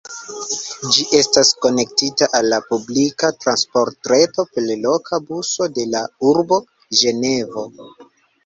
Ĝi estas konektita al la publika transportreto per loka buso de la urbo Ĝenevo.